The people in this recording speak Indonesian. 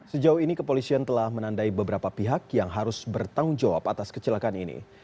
sejauh ini kepolisian telah menandai beberapa pihak yang harus bertanggung jawab atas kecelakaan ini